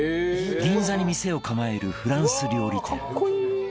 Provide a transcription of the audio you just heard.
銀座に店を構えるフランス料理店